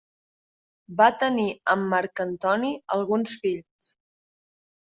Va tenir amb Marc Antoni alguns fills.